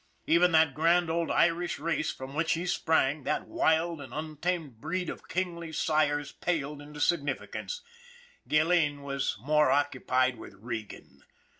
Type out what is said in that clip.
Even that grand old Irish race from which he sprang, that wild and untamed breed of kingly sires paled into insignificance Gilleen was more occupied with Regan.